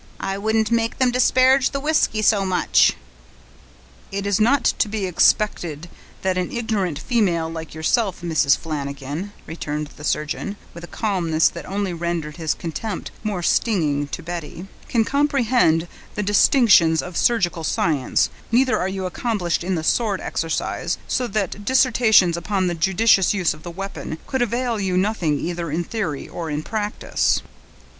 I wouldn't have them disparage the whisky so much." "It is not to be expected that an ignorant female like yourself, Mrs. Flanagan," returned the surgeon, with a calmness that only rendered his contempt more stinging to Betty, "can comprehend the distinctions of surgical science; neither are you accomplished in the sword exercise; so that dissertations upon the judicious use of that weapon could avail you nothing either in theory or in practice."